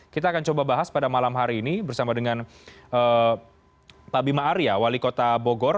kita akan coba bahas pada malam hari ini bersama dengan pak bima arya wali kota bogor